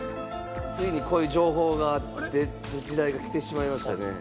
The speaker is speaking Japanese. ついにこういう情報が出る時代が来てしまいましたね。